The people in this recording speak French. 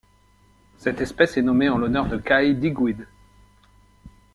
Cette espèce est nommée en l'honneur de Kai Digweed.